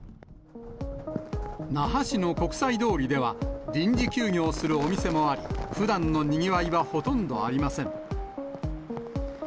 那覇市の国際通りでは臨時休業するお店もあり、ふだんのにぎわいはほとんどありません。